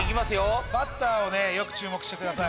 バッターよく注目してください。